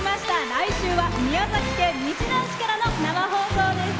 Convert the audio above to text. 来週は宮崎県日南市からの生放送です。